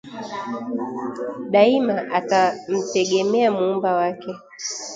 Daima atamtegemea Muumba wake